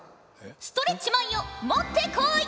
ストレッチマンよ持ってこい。